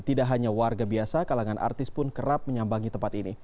tidak hanya warga biasa kalangan artis pun kerap menyambangi tempat ini